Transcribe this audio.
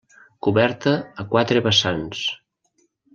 Coberta a quatre vessants.